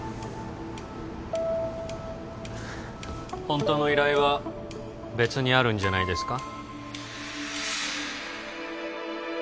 本当の依頼は別にあるんじゃないですか？